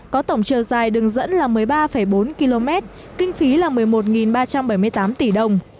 có tổng chiều dài đường dẫn là một mươi ba bốn km kinh phí là một mươi một ba trăm bảy mươi tám tỷ đồng